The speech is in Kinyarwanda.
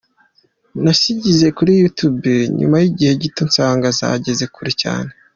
Nazishyize kuri YouTube nyuma y’igihe gito nsanga zageze kure cyane.